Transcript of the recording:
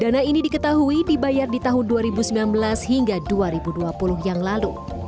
dana ini diketahui dibayar di tahun dua ribu sembilan belas hingga dua ribu dua puluh yang lalu